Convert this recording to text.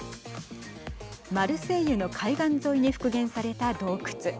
マルセイユの海岸沿いに復元された洞窟。